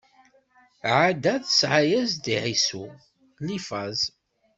Ɛada tesɛa-yas-d i Ɛisu: Ilifaz.